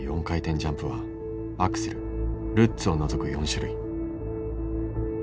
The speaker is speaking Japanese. ４回転ジャンプはアクセルルッツを除く４種類。